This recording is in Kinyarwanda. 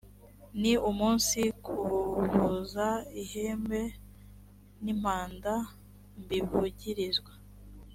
ni umunsi wo kuvuza ihembe n impanda m bivugirizwa